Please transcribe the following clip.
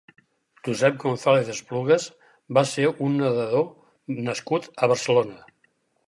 Josep González Esplugues va ser un nedador nascut a Barcelona.